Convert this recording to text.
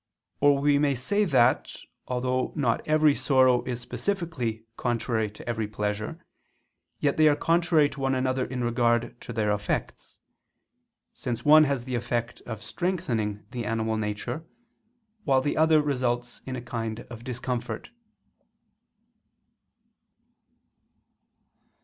Or we may say that, although not every sorrow is specifically contrary to every pleasure, yet they are contrary to one another in regard to their effects: since one has the effect of strengthening the animal nature, while the other results in a kind of discomfort.